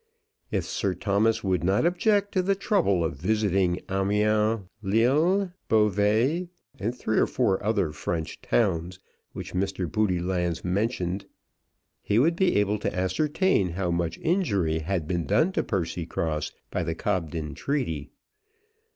If Sir Thomas would not object to the trouble of visiting Amiens, Lille, Beauvais, and three or four other French towns which Mr. Roodylands mentioned, he would be able to ascertain how much injury had been done to Percycross by the Cobden treaty.